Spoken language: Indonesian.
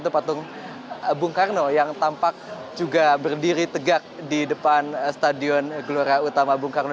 itu patung bung karno yang tampak juga berdiri tegak di depan stadion gelora utama bung karno